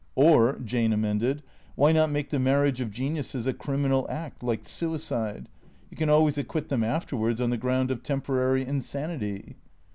" Or," Jane amended, " why not make the marriage of geniuses a criminal act, like suicide ? You can always acquit them after wards on the ground of temporary insanity."